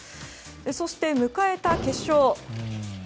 そして迎えた決勝。